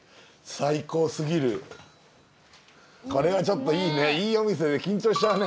これはちょっといいねいいお店で緊張しちゃうね。